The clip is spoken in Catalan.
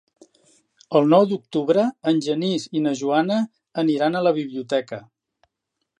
El nou d'octubre en Genís i na Joana aniran a la biblioteca.